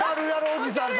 おじさんだ。